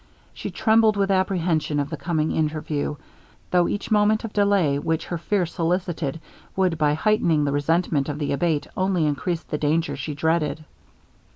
She trembled with apprehension of the coming interview, though each moment of delay which her fear solicited, would, by heightening the resentment of the Abate, only increase the danger she dreaded.